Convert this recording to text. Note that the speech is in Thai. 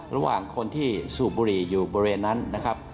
ระหว่างคนที่สูบบุหรี่อยู่บริเวณนั้นนะครับ